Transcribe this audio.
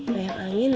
bayar angin sama debu